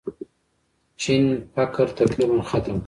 چین فقر تقریباً ختم کړ.